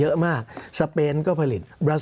สำหรับกำลังการผลิตหน้ากากอนามัย